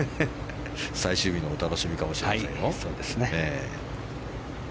最終日のお楽しみかもしれませんよ。